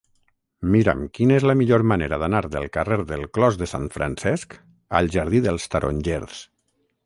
Mira'm quina és la millor manera d'anar del carrer del Clos de Sant Francesc al jardí dels Tarongers.